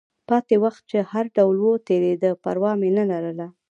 پاتې وخت چې هر ډول و، تېرېده، پروا مې نه لرله.